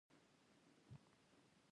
اووه پنځوسم سوال د تشکیل په اړه دی.